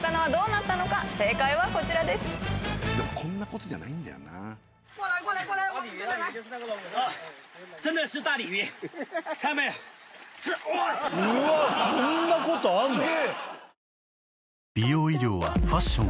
こんなことあんの？